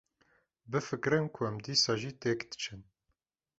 Bifikirin ku em dîsa jî têk diçin.